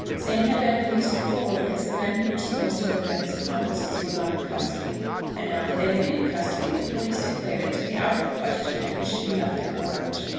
Sam had been released before because the men who were supposed to have been his accomplices were not in custody; and now that they were in custody the police declared it to be out of the question that he should be left at large.